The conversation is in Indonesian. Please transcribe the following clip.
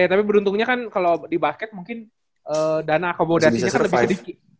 tapi beruntungnya kan kalau di basket mungkin dana akomodasinya kan lebih sedikit